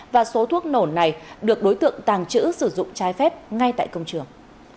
và số thuốc nổ này được đối tượng tàng trữ sử dụng trái phép ngay tại công trường